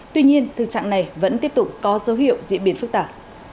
tuy nhiên thực trạng này vẫn tiếp tục có dấu hiệu diễn biến phức tạp